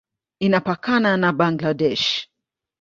Inapakana na Bangladesh.